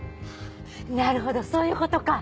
なるほどそういうことか。